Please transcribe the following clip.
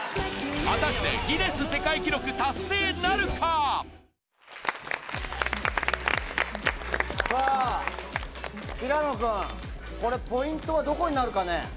果たしてギネス世界記録達成さあ、平野君、これ、ポイントはどこになるかね？